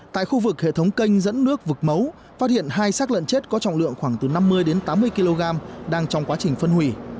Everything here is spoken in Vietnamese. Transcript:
tại khu vực hệ thống kênh dẫn nước vực mấu phát hiện hai sát lợn chết có trọng lượng khoảng từ năm mươi đến tám mươi kg đang trong quá trình phân hủy